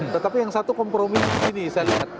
tetapi yang satu kompromi begini saya lihat